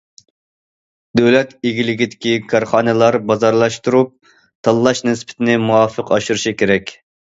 دۆلەت ئىگىلىكىدىكى كارخانىلار بازارلاشتۇرۇپ تاللاش نىسبىتىنى مۇۋاپىق ئاشۇرۇشى كېرەك.